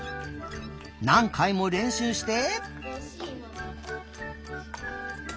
なんかいもれんしゅうして。